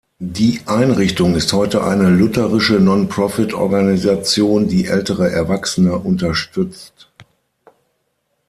Die Einrichtung ist heute eine lutherische Non-Profit-Organisation, die ältere Erwachsene unterstützt.